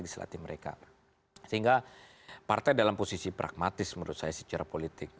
sehingga partai dalam posisi pragmatis menurut saya secara politik